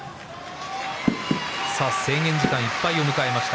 制限時間いっぱいを迎えました。